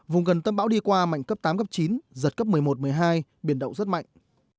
vùng gần tâm bão đi qua mạnh cấp tám cấp chín giật cấp một mươi một một mươi hai biển động rất mạnh